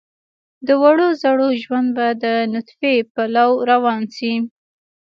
د وړو زړو ژوند به د نطفې پلو روان شي.